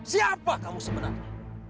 siapa kamu sebenarnya